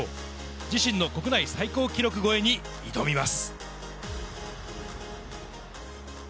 自身の国内最高記録超えに挑みます。